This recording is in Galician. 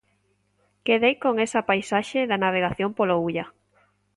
Quedei con esa paisaxe da navegación polo Ulla.